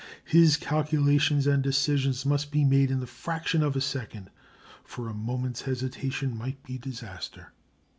His calculations and decisions must be made in the fraction of a second, for a moment's hesitation might be disaster.